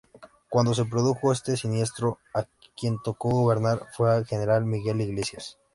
Cuando se produjo este siniestro, a quien tocó gobernar fue al general Miguel Iglesias.